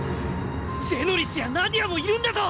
ゼノリスやナディアもいるんだぞ！